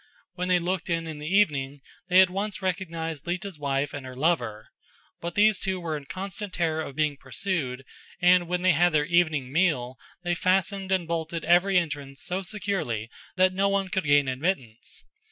When they looked in in the evening, they at once recognised Lita's wife and her lover; but these two were in constant terror of being pursued and when they had had their evening meal they fastened and bolted every entrance so securely that no one could gain admittance.